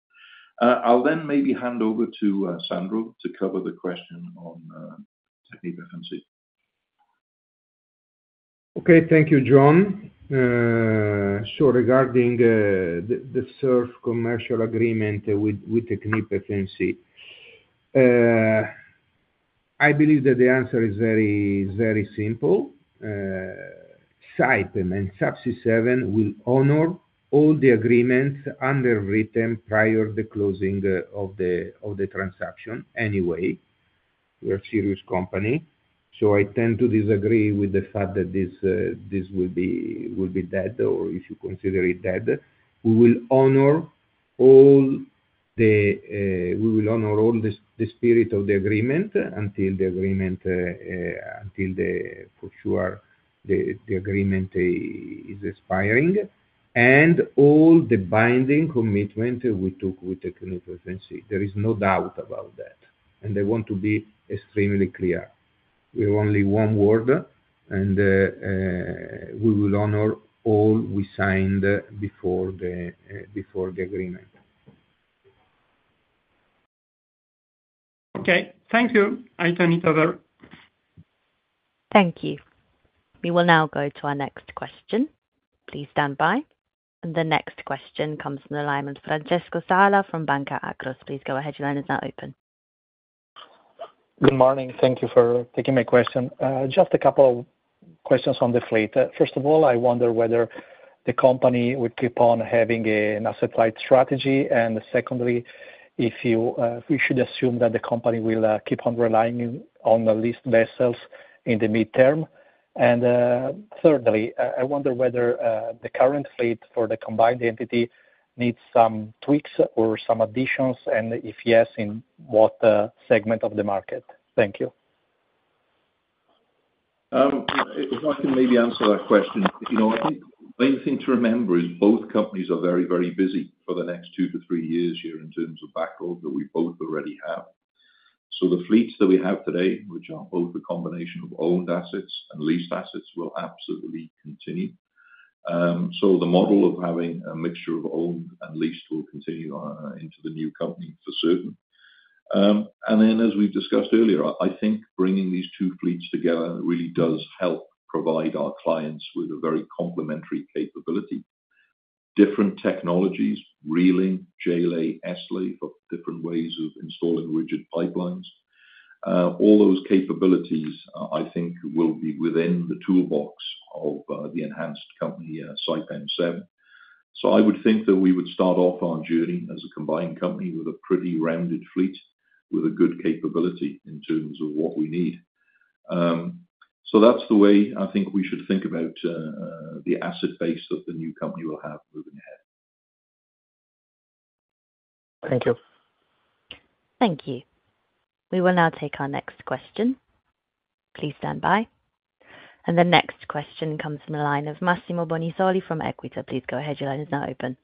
I'll then maybe hand over to Sandro to cover the question on TechnipFMC. Okay. Thank you, John. So regarding the SURF commercial agreement with TechnipFMC, I believe that the answer is very simple. Saipem and Subsea 7 will honor all the agreements underwritten prior to the closing of the transaction anyway. We're a serious company. So I tend to disagree with the fact that this will be dead or if you consider it dead. We will honor all the spirit of the agreement until for sure the agreement is expiring and all the binding commitment we took with TechnipFMC. There is no doubt about that, and I want to be extremely clear. We have only one word, and we will honor all we signed before the agreement. Okay. Thank you. I don't need other. Thank you. We will now go to our next question. Please stand by. And the next question comes from the line of Francesco Sala from Banca Akros. Please go ahead. Your line is now open. Good morning. Thank you for taking my question. Just a couple of questions on the fleet. First of all, I wonder whether the company would keep on having an asset-light strategy. And secondly, if you should assume that the company will keep on relying on the leased vessels in the midterm. And thirdly, I wonder whether the current fleet for the combined entity needs some tweaks or some additions, and if yes, in what segment of the market? Thank you. If I can maybe answer that question, I think the main thing to remember is both companies are very, very busy for the next two to three years here in terms of backlog that we both already have. So the fleets that we have today, which are both a combination of owned assets and leased assets, will absolutely continue. So the model of having a mixture of owned and leased will continue into the new company for certain. And then, as we've discussed earlier, I think bringing these two fleets together really does help provide our clients with a very complementary capability. Different technologies, reeling, J-Lay, S-Lay for different ways of installing rigid pipelines. All those capabilities, I think, will be within the toolbox of the enhanced company Saipem7. So I would think that we would start off our journey as a combined company with a pretty rounded fleet with a good capability in terms of what we need. So that's the way I think we should think about the asset base that the new company will have moving ahead. Thank you. Thank you. We will now take our next question. Please stand by. And the next question comes from the line of Massimo Bonisoli from Equita. Please go ahead. Your line is now open.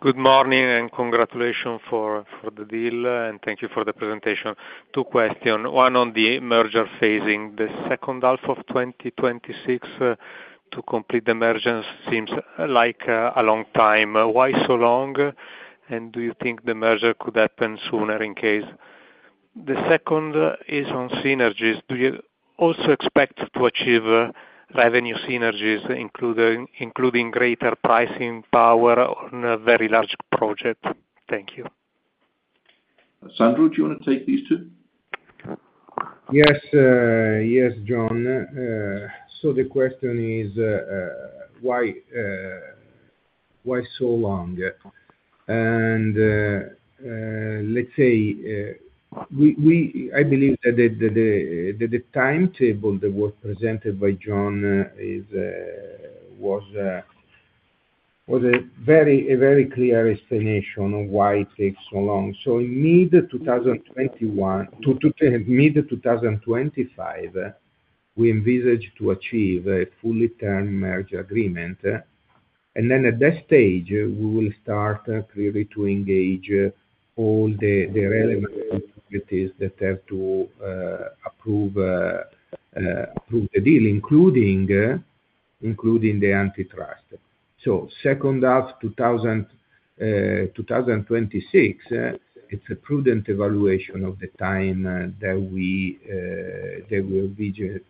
Good morning and congratulations for the deal, and thank you for the presentation. Two questions. One on the merger phasing. The second half of 2026 to complete the merger seems like a long time. Why so long? And do you think the merger could happen sooner in case? The second is on synergies. Do you also expect to achieve revenue synergies, including greater pricing power on a very large project? Thank you. Sandro, do you want to take these two? Yes. Yes, John. So the question is, why so long? And let's say I believe that the timetable that was presented by John was a very clear explanation of why it takes so long. So in mid-2025, we envisage to achieve a full-term merger agreement. And then at that stage, we will start clearly to engage all the relevant entities that have to approve the deal, including the antitrust. So second half 2026, it's a prudent evaluation of the time that we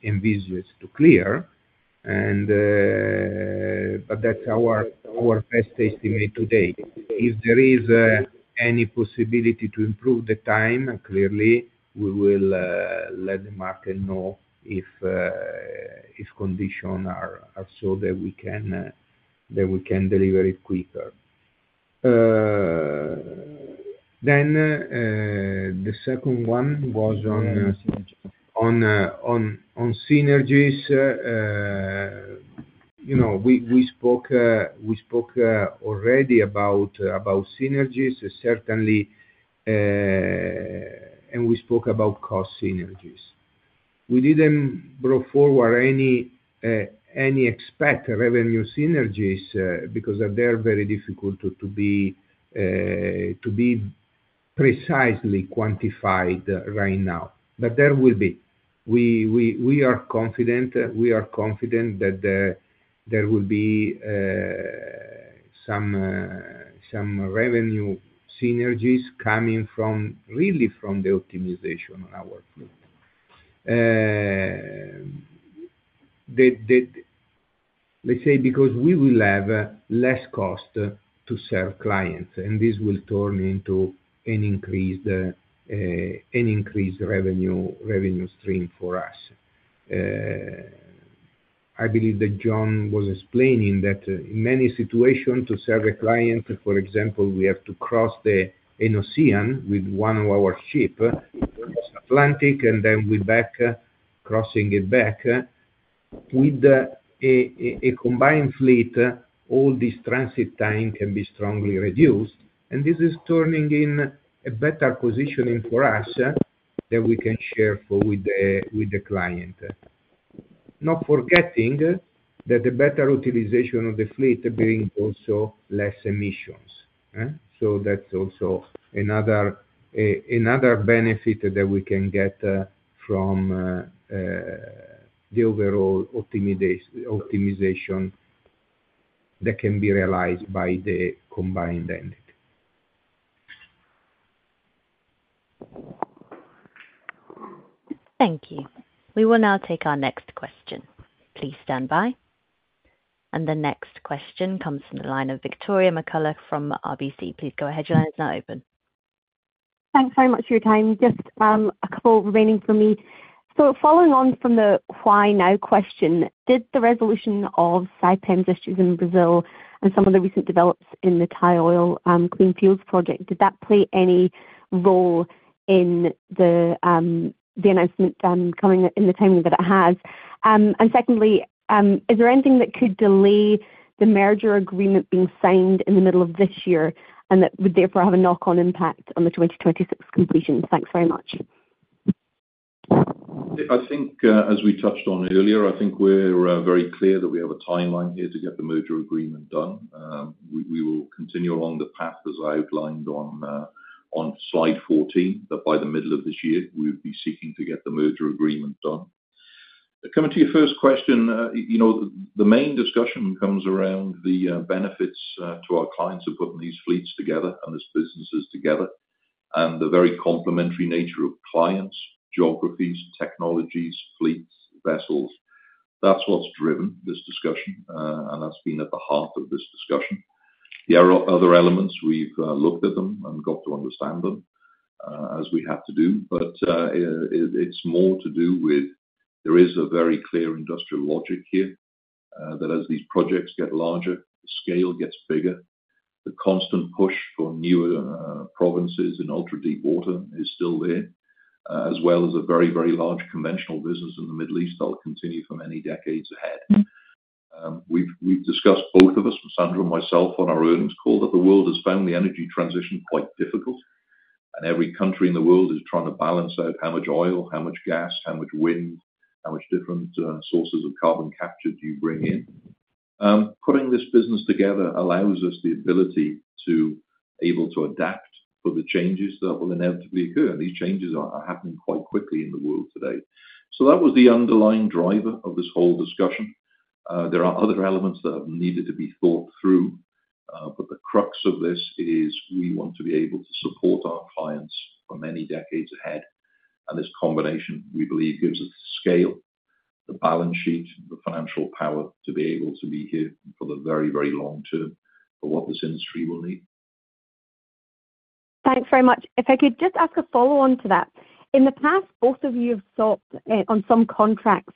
envisage to clear. But that's our best estimate today. If there is any possibility to improve the time, clearly, we will let the market know if conditions are so that we can deliver it quicker. Then the second one was on synergies. We spoke already about synergies, certainly, and we spoke about cost synergies. We didn't bring forward any expected revenue synergies because they're very difficult to be precisely quantified right now. But there will be. We are confident that there will be some revenue synergies coming really from the optimization on our fleet. Let's say because we will have less cost to serve clients, and this will turn into an increased revenue stream for us. I believe that John was explaining that in many situations to serve a client, for example, we have to cross the Atlantic Ocean with one of our ships, cross Atlantic, and then we're crossing it back. With a combined fleet, all this transit time can be strongly reduced, and this is turning in a better position for us that we can share with the client. Not forgetting that the better utilization of the fleet brings also less emissions. So that's also another benefit that we can get from the overall optimization that can be realized by the combined entity. Thank you. We will now take our next question. Please stand by. The next question comes from the line of Victoria McCulloch from RBC. Please go ahead. Your line is now open. Thanks very much for your time. Just a couple remaining for me. So following on from the why now question, did the resolution of Saipem's issues in Brazil and some of the recent developments in the Thai Oil Clean Fuels Project, did that play any role in the announcement coming in the timing that it has? And secondly, is there anything that could delay the merger agreement being signed in the middle of this year and that would therefore have a knock-on impact on the 2026 completion? Thanks very much. I think, as we touched on earlier, I think we're very clear that we have a timeline here to get the merger agreement done. We will continue along the path as I outlined on slide 14 that by the middle of this year, we would be seeking to get the merger agreement done. Coming to your first question, the main discussion comes around the benefits to our clients of putting these fleets together and these businesses together and the very complementary nature of clients, geographies, technologies, fleets, vessels. That's what's driven this discussion, and that's been at the heart of this discussion. There are other elements. We've looked at them and got to understand them as we have to do. But it's more to do with there is a very clear industrial logic here that as these projects get larger, the scale gets bigger. The constant push for newer provinces in ultra-deep water is still there, as well as a very, very large conventional business in the Middle East that will continue for many decades ahead. We've discussed both of us, Sandro and myself, on our earnings call that the world has found the energy transition quite difficult, and every country in the world is trying to balance out how much oil, how much gas, how much wind, how much different sources of carbon capture do you bring in. Putting this business together allows us the ability to be able to adapt for the changes that will inevitably occur. And these changes are happening quite quickly in the world today. So that was the underlying driver of this whole discussion. There are other elements that have needed to be thought through, but the crux of this is we want to be able to support our clients for many decades ahead. And this combination, we believe, gives us the scale, the balance sheet, the financial power to be able to be here for the very, very long term for what this industry will need. Thanks very much. If I could just ask a follow-on to that. In the past, both of you have sought on some contracts,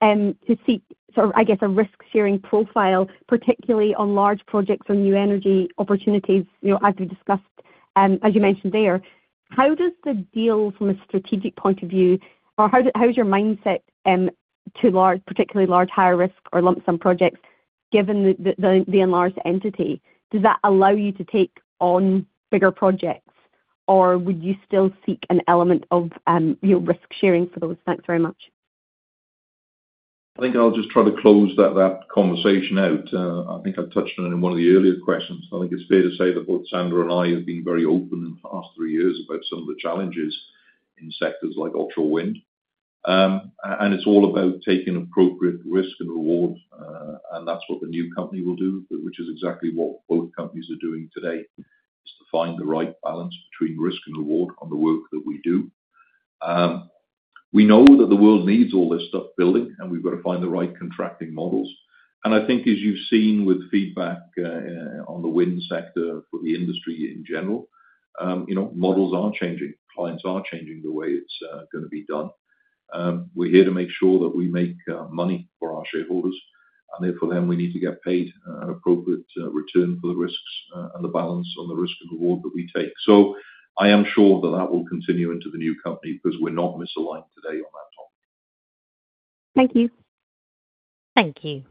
I guess, a risk-sharing profile, particularly on large projects or new energy opportunities, as we discussed, as you mentioned there. How does the deal from a strategic point of view, or how is your mindset to large, particularly large high-risk or lump-sum projects, given the enlarged entity? Does that allow you to take on bigger projects, or would you still seek an element of risk-sharing for those? Thanks very much. I think I'll just try to close that conversation out. I think I've touched on it in one of the earlier questions. I think it's fair to say that both Sandro and I have been very open in the past three years about some of the challenges in sectors like offshore wind, and it's all about taking appropriate risk and reward, and that's what the new company will do, which is exactly what both companies are doing today is to find the right balance between risk and reward on the work that we do. We know that the world needs all this stuff building, and we've got to find the right contracting models, and I think, as you've seen with feedback on the wind sector for the industry in general, models are changing. Clients are changing the way it's going to be done. We're here to make sure that we make money for our shareholders, and therefore, then we need to get paid an appropriate return for the risks and the balance on the risk and reward that we take. So I am sure that that will continue into the new company because we're not misaligned today on that topic. Thank you. Thank you.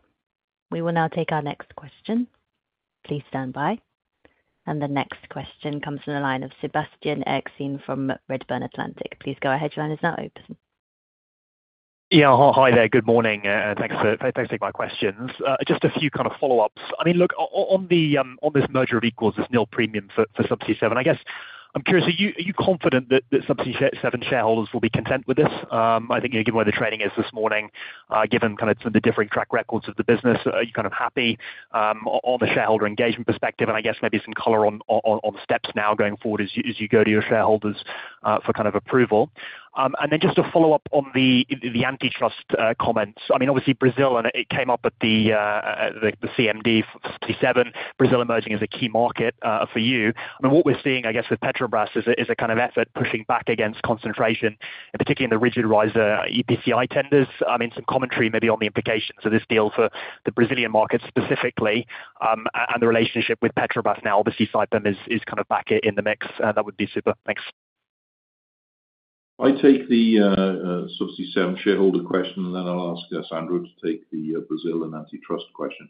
We will now take our next question. Please stand by. And the next question comes from the line of Sebastian Erskine from Redburn Atlantic. Please go ahead. Your line is now open. Yeah. Hi there. Good morning. Thanks for taking my questions. Just a few kind of follow-ups. I mean, look, on this merger of equals, this nil premium for Subsea 7, I guess I'm curious, are you confident that Subsea 7 shareholders will be content with this? I think given where the trading is this morning, given kind of some of the different track records of the business, are you kind of happy on the shareholder engagement perspective? And I guess maybe some color on steps now going forward as you go to your shareholders for kind of approval. And then just to follow up on the antitrust comments. I mean, obviously, Brazil, and it came up at the CMD for Subsea 7, Brazil emerging as a key market for you. I mean, what we're seeing, I guess, with Petrobras is a kind of effort pushing back against concentration, particularly in the rigid riser EPCI tenders. I mean, some commentary maybe on the implications of this deal for the Brazilian market specifically and the relationship with Petrobras. Now, obviously, Saipem is kind of back in the mix. That would be super. Thanks. I take the Subsea 7 shareholder question, and then I'll ask Sandro to take the Brazil and antitrust question.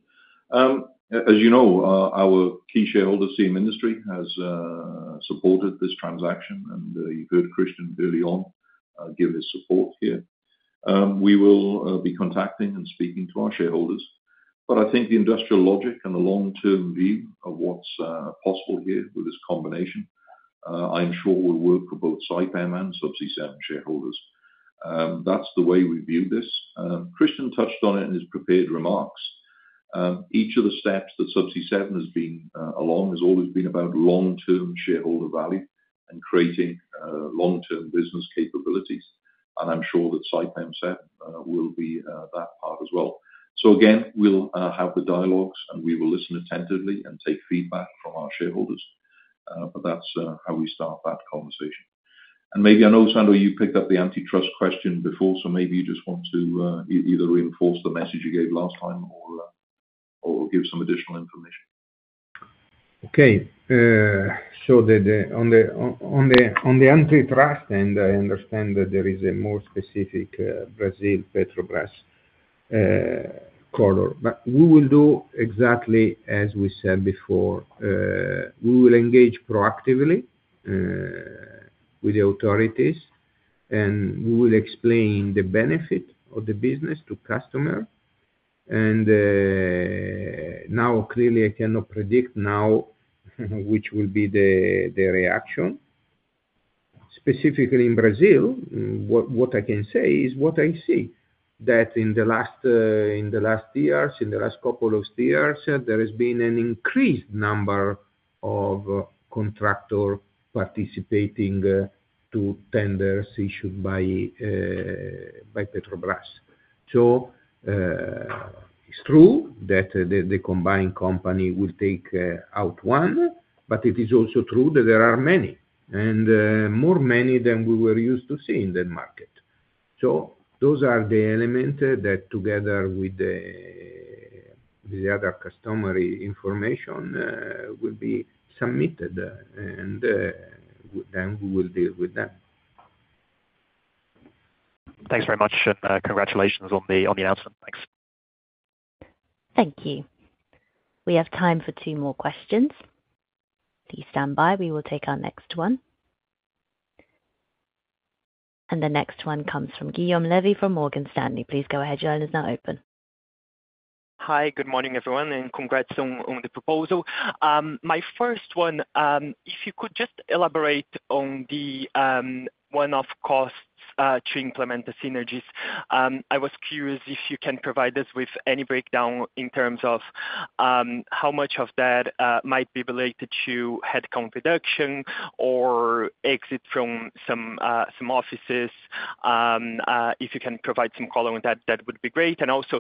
As you know, our key shareholders, Siem Industries, has supported this transaction, and you heard Kristian early on give his support here. We will be contacting and speaking to our shareholders, but I think the industrial logic and the long-term view of what's possible here with this combination, I'm sure will work for both Saipem and Subsea 7 shareholders. That's the way we view this. Kristian touched on it in his prepared remarks. Each of the steps that Subsea 7 has been along has always been about long-term shareholder value and creating long-term business capabilities. And I'm sure that Saipem7 will be that part as well. So again, we'll have the dialogues, and we will listen attentively and take feedback from our shareholders. But that's how we start that conversation. And maybe, you know, Sandro, you picked up the antitrust question before, so maybe you just want to either reinforce the message you gave last time or give some additional information. Okay, so on the antitrust end, I understand that there is a more specific Brazil-Petrobras color, but we will do exactly as we said before. We will engage proactively with the authorities, and we will explain the benefit of the business to customers. Now, clearly, I cannot predict now which will be the reaction. Specifically in Brazil, what I can say is what I see, that in the last years, in the last couple of years, there has been an increased number of contractors participating to tenders issued by Petrobras. It's true that the combined company will take out one, but it is also true that there are many, and many more than we were used to see in the market, those are the elements that together with the other customary information will be submitted, and then we will deal with them. Thanks very much, and congratulations on the announcement. Thanks. Thank you. We have time for two more questions. Please stand by. We will take our next one. And the next one comes from Guilherme Levy from Morgan Stanley. Please go ahead. Your line is now open. Hi, good morning, everyone, and congrats on the proposal. My first one, if you could just elaborate on the one-off costs to implement the synergies. I was curious if you can provide us with any breakdown in terms of how much of that might be related to headcount reduction or exit from some offices. If you can provide some color on that, that would be great. And also,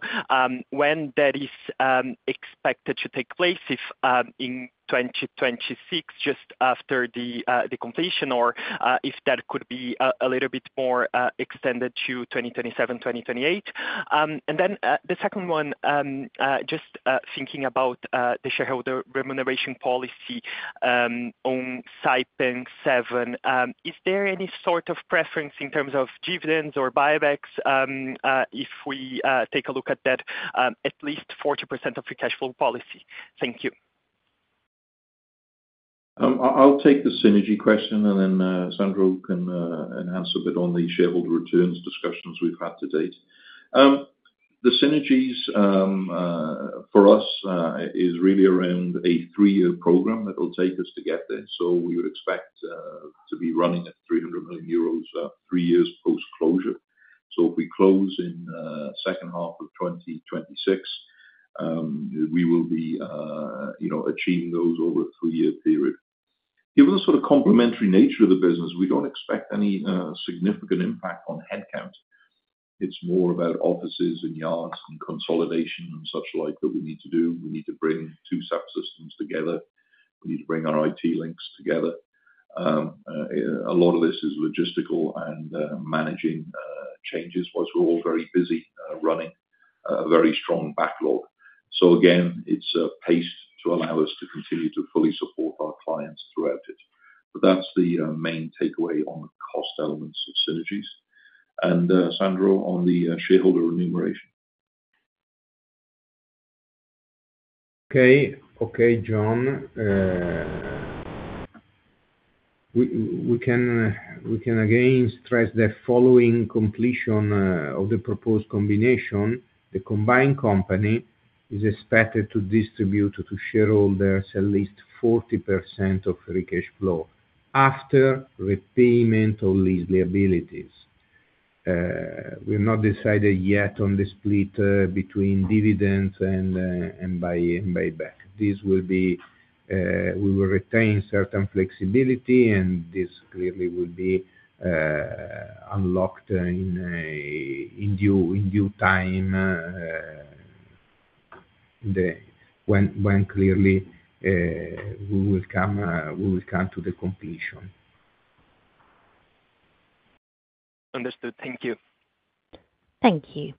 when that is expected to take place, if in 2026, just after the completion, or if that could be a little bit more extended to 2027, 2028. And then the second one, just thinking about the shareholder remuneration policy on Saipem7, is there any sort of preference in terms of dividends or buybacks if we take a look at that at least 40% of your cash flow policy? Thank you. I'll take the synergy question, and then Sandro can enhance a bit on the shareholder returns discussions we've had to date. The synergies for us is really around a three-year program that will take us to get there. So we would expect to be running at 300 million euros three years post-closure. So if we close in the second half of 2026, we will be achieving those over a three-year period. Given the sort of complementary nature of the business, we don't expect any significant impact on headcount. It's more about offices and yards and consolidation and such like that we need to do. We need to bring two subsystems together. We need to bring our IT links together. A lot of this is logistical and managing changes while we're all very busy running a very strong backlog. So again, it's a pace to allow us to continue to fully support our clients throughout it. But that's the main takeaway on the cost elements of synergies. And Sandro, on the shareholder remuneration. Okay. Okay, John. We can again stress the following completion of the proposed combination. The combined company is expected to distribute to shareholders at least 40% of free cash flow after repayment of lease liabilities. We have not decided yet on the split between dividends and buyback. This will be. We will retain certain flexibility, and this clearly will be unlocked in due time when clearly we will come to the completion. Understood. Thank you. Thank you.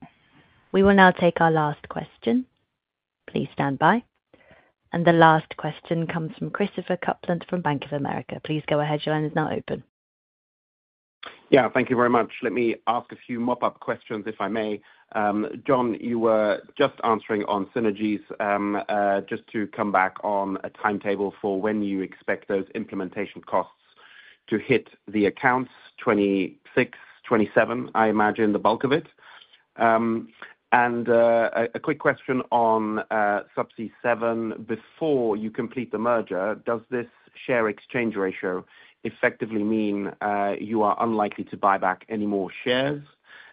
We will now take our last question. Please stand by, and the last question comes from Christopher Kuplent from Bank of America. Please go ahead. Your line is now open. Yeah. Thank you very much. Let me ask a few mop-up questions, if I may. John, you were just answering on synergies. Just to come back on a timetable for when you expect those implementation costs to hit the accounts, 2026, 2027, I imagine the bulk of it. And a quick question on Subsea 7, before you complete the merger, does this share exchange ratio effectively mean you are unlikely to buy back any more shares?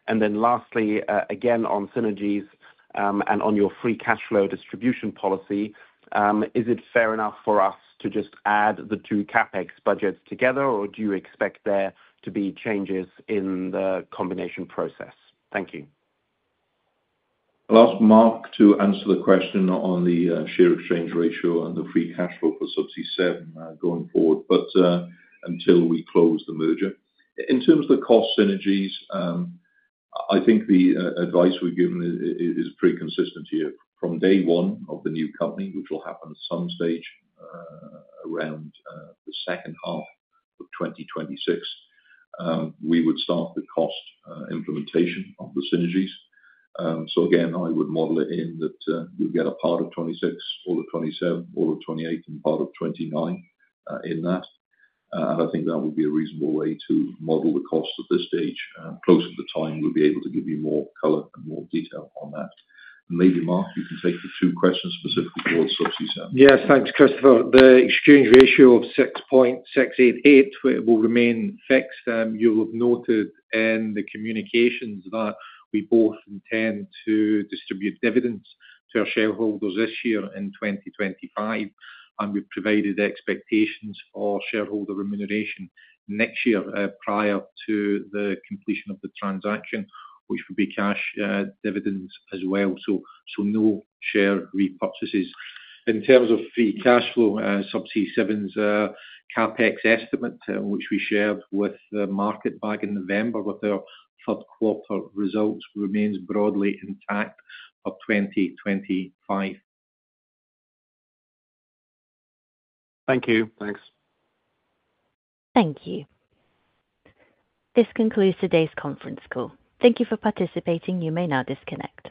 And then lastly, again on synergies and on your free cash flow distribution policy, is it fair enough for us to just add the two CapEx budgets together, or do you expect there to be changes in the combination process? Thank you. I'll ask Mark, to answer the question on the share exchange ratio and the free cash flow for Subsea 7 going forward, but until we close the merger. In terms of the cost synergies, I think the advice we've given is pretty consistent here. From day one of the new company, which will happen at some stage around the second half of 2026, we would start the cost implementation of the synergies. So again, I would model it in that you'll get a part of 2026, all of 2027, all of 2028, and part of 2029 in that. And I think that would be a reasonable way to model the cost at this stage. Closer to the time, we'll be able to give you more color and more detail on that. And maybe, Mark, you can take the two questions specifically for Subsea 7. Yes. Thanks, Christopher. The exchange ratio of 6.688 will remain fixed. You will have noted in the communications that we both intend to distribute dividends to our shareholders this year in 2025, and we've provided expectations for shareholder remuneration next year prior to the completion of the transaction, which will be cash dividends as well, so no share repurchases. In terms of free cash flow, Subsea 7's CapEx estimate, which we shared with the market back in November with our third-quarter results, remains broadly intact for 2025. Thank you. Thanks. Thank you. This concludes today's conference call. Thank you for participating. You may now disconnect.